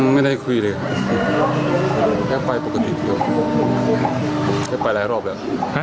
ไม่ได้คุยเลยแค่ไปปกติเดียว